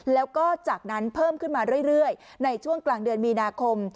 แล้วก็จากนั้นเพิ่มขึ้นมาเรื่อยในช่วงกลางเดือนมีนาคม